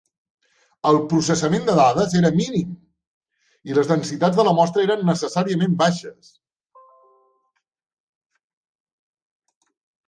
El processament de dades era mínim i les densitats de la mostra eren necessàriament baixes.